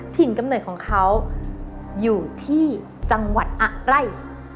ถิ่นกำหนดของเขาอยู่ที่จังหวัดอะไรอ๋อม